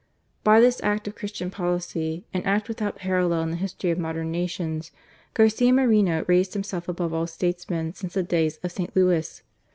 By this act of Christian policy, an act without parallel in the history of modern nations, Garcia Moreno raised himself above all statesmen since the days of St. Louis.